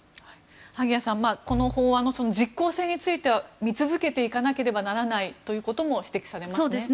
萩谷さんこの法案の実効性については見続けていかないといけないということも指摘されますね。